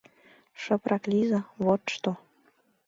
— Шыпрак лийза, вот што!